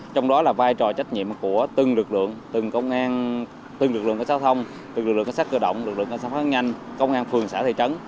trong đó là vai trò trách nhiệm của từng lực lượng từng công an từng lực lượng cảnh sát thông từng lực lượng cảnh sát cơ động lực lượng cảnh sát phát nhanh công an phường xã thị trấn